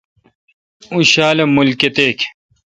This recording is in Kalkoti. اوں شالہ مول کتیک